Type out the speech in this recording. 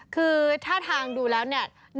คือท่าทางดูแล้วเนี่ย